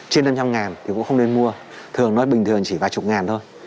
trên năm trăm linh ngàn thì cũng không nên mua thường nói bình thường chỉ vài chục ngàn thôi